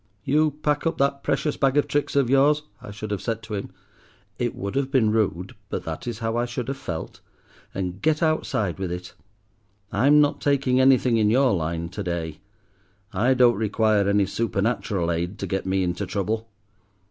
"You pack up that precious bag of tricks of yours," I should have said to him (it would have been rude, but that is how I should have felt), "and get outside with it. I'm not taking anything in your line to day. I don't require any supernatural aid to get me into trouble.